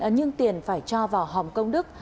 nhưng tiền phải cho vào hòm công đức